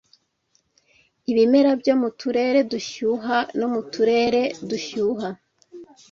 Ibimera byo mu turere dushyuha no mu turere dushyuha